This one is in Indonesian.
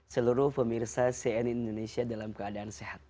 seluruh pemirsa cnn indonesia dalam keadaan sehat